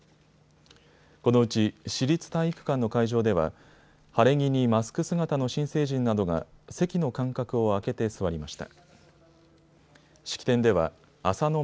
このうち市立体育館の会場では晴れ着にマスク姿の新成人などが席の間隔を空けて座りました。